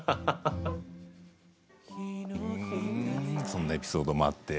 そんなエピソードもあって。